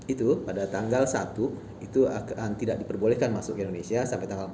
itu pada tanggal satu itu akan tidak diperbolehkan masuk ke indonesia sampai tanggal empat belas